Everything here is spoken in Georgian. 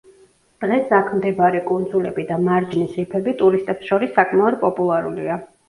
დღეს აქ მდებარე კუნძულები და მარჯნის რიფები ტურისტებს შორის საკმაოდ პოპულარულია.